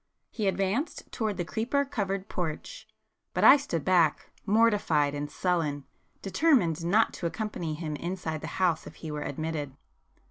He advanced towards the creeper covered porch,—but I stood back, mortified and sullen, determined not to accompany him inside the house if he were admitted.